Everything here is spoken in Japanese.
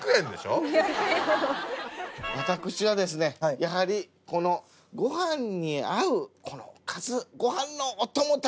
私はですねやはりこのご飯に合うこのおかずご飯のお供たちをね